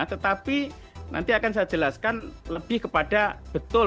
tetapi nanti akan saya jelaskan lebih kepada betul